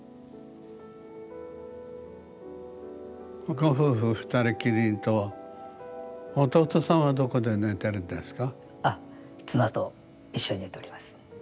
ご夫婦２人きりと弟さんはどこで寝てるんですか？